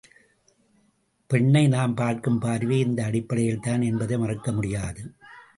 பெண்ணை நாம் பார்க்கும் பார்வையே இந்த அடிப்படையில்தான் என்பதை மறுக்க முடியாது.